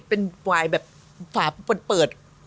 เป็นฝ่ายแบบฝาเปิด